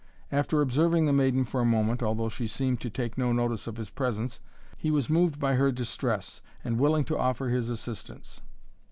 After observing the maiden for a moment, although she seemed to take no notice of his presence, he was moved by her distress, and willing to offer his assistance.